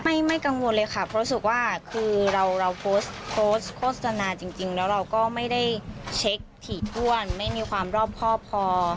ไม่ไม่กังวลเลยค่ะเพราะรู้สึกว่าคือเราโพสต์โพสต์โฆษณาจริงแล้วเราก็ไม่ได้เช็คถี่ถ้วนไม่มีความรอบครอบพอ